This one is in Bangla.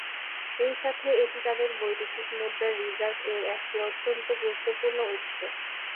সেইসাথে এটি তাদের বৈদেশিক মুদ্রার রিজার্ভ এর একটি অত্যন্ত গুরুত্বপূর্ণ উৎস।